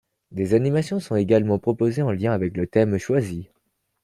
Des animations sont également proposées en lien avec le thème choisi.